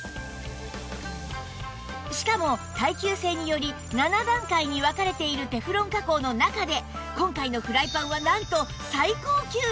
しかも耐久性により７段階に分かれているテフロン加工の中で今回のフライパンはなんと最高級ランク！